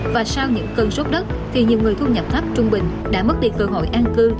và sau những cơn sốt đất thì nhiều người thu nhập thấp trung bình đã mất đi cơ hội an cư